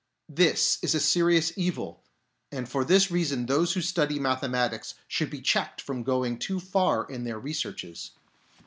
This is a serious evil, and for this reason those who study mathematics should be checked from going too far in their researches.